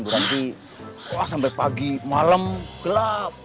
berarti wah sampe pagi malem gelap